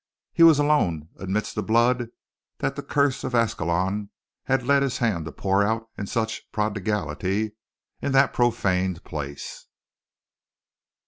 He was alone amidst the blood that the curse of Ascalon had led his hand to pour out in such prodigality in that profaned place.